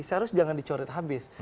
seharusnya jangan dicoret habis